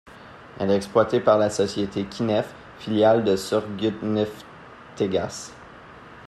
Elle est exploitée par la société Kinef, filiale de Surgutneftegas.